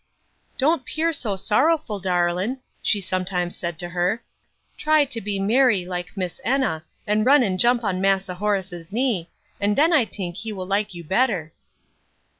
"Don't 'pear so sorrowful, darlin'," she sometimes said to her; "try to be merry, like Miss Enna, and run and jump on Massa Horace's knee, and den I tink he will like you better."